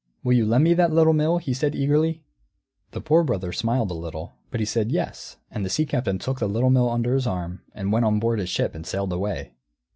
"Will you lend me that Little Mill?" he said eagerly. The Poor Brother smiled a little, but he said, "Yes," and the Sea Captain took the Little Mill under his arm, and went on board his ship and sailed away.